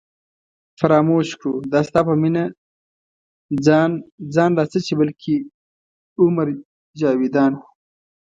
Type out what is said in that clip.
فراموش کړو دا ستا په مینه ځان ځان لا څه چې بلکې عمر جاوېدان